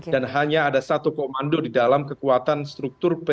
dan hanya ada satu komando di dalam kekuatan struktur p tiga